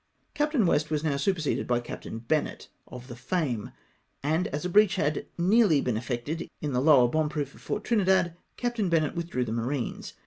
Captain West was now superseded by Captain Bennett of the Fame, and, as a breach had nearly been effected in the lower bomb proof of Fort Trinidad, Captain Bennett ^vithdrew the marines.